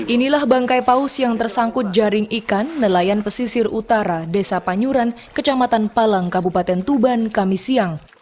inilah bangkai paus yang tersangkut jaring ikan nelayan pesisir utara desa panyuran kecamatan palang kabupaten tuban kami siang